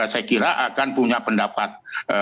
saya kira akan punya pendapat